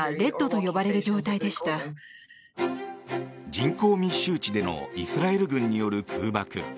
人口密集地でのイスラエル軍による空爆。